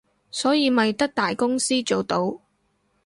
所以咪得大公司做到